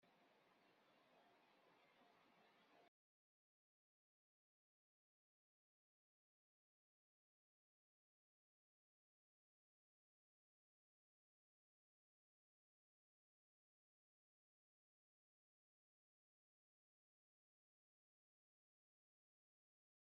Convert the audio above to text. Amcic yebda iseffeḍ.